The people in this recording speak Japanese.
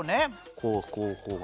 こうこうこうね。